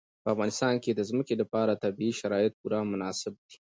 په افغانستان کې د ځمکه لپاره طبیعي شرایط پوره مناسب دي.